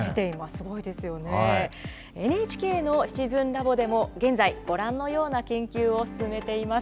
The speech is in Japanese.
すごいですよね、ＮＨＫのシチズンラボでも現在、ご覧のような研究を進めています。